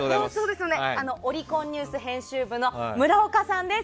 オリコンニュース編集部の村岡さんです。